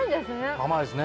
甘いっすね。